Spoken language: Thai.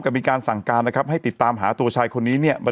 ก็มีการสั่งการนะครับให้ติดตามหาตัวชายคนนี้เนี่ย